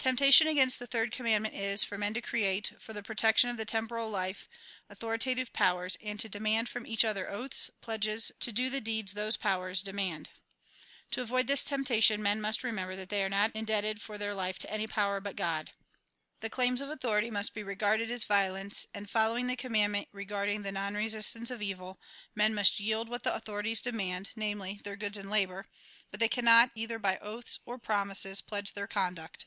Temptation against the third conmiandment is, for men to create, for the protection of the temporal life, authoritative powers, and to demand from each other oaths, pledges, to do the deeds those powers demand. To avoid this temptation, men must remember that they are not indebted for their life to any power but God. The claims of authority must be regarded as violence ; and, following the commandment regarding the non resistance of evil, men must yield what the authorities demand, namely, their goods and labour ; but they cannot, either by oaths or promises, pledge their conduct.